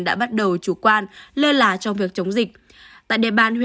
đã bắt đầu chủ quan lơ là trong việc chống dịch